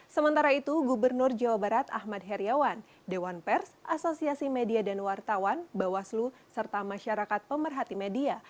sementara itu gubernur jawa barat ahmad heriawan dewan pers asosiasi media dan wartawan bawaslu serta masyarakat pemerhati media